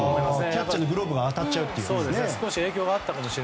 キャッチャーのグローブに当たっちゃうという。